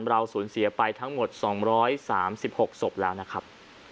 เราสูญเสียไปทั้งหมด๒๓๖ศพแล้วนะครับ